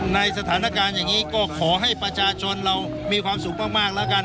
ในสถานการณ์อย่างนี้ก็ขอให้ประชาชนเรามีความสุขมากแล้วกัน